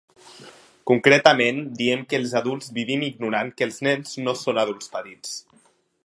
Concretament, diem que els adults vivim ignorant que els nens no són adults petits.